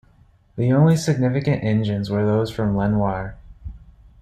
The only significant engines were those from Lenoir.